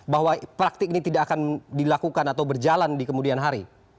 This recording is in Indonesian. bahwa praktik ini tidak akan dilakukan atau berjalan di kemudian hari